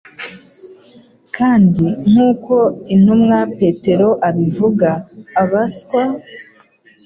kandi, nk’uko intumwa Petero abivuga, abaswa